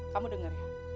kamu dengar ya